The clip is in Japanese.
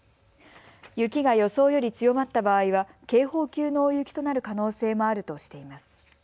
雪が予想より強まった場合は警報級の大雪となる可能性もあるとしています。